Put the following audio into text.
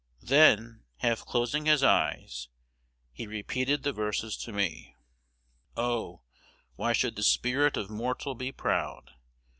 "Then, half closing his eyes, he repeated the verses to me: "'Oh! why should the spirit of mortal be proud?